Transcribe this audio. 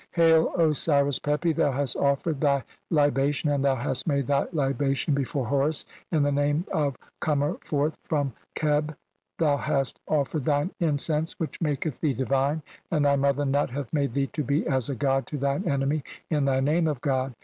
"Hail, Osiris Pepi, thou hast offered (32) thy liba "tion, and thou hast made thy libation before Horus "in thy name of 'Comer forth from Qebh' ; thou hast "offered thine incense which maketh thee divine, and "thy mother Nut hath made thee to be as a god "to thine enemy in thy name of 'God'.